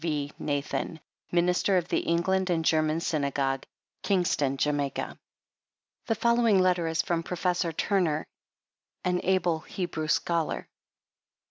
V. NATHAN, Minister of* the English and German synagogue, Kingston, Jamaica. The following letter is from Professor Turner an able Hebrew scholar.